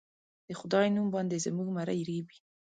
د خدای نوم باندې زموږه مرۍ رېبي